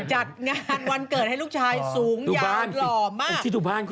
จัดงานวันเกิดให้ลูกชายสูงยาวหล่อมาก